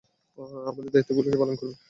আমার দায়িত্বগুলো কে পালন করবে?